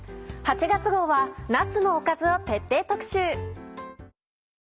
８月号はなすのおかずを徹底特集。